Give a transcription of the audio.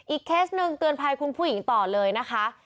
เคสหนึ่งเตือนภัยคุณผู้หญิงต่อเลยนะคะ